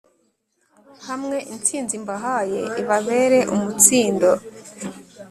hamwe intsinzi mbahaye ibabera umutsindo